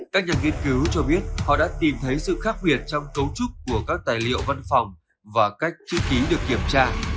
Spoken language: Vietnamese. các nhà nghiên cứu cho biết họ đã tìm thấy sự khác biệt trong cấu trúc của các tài liệu văn phòng và cách chữ ký được kiểm tra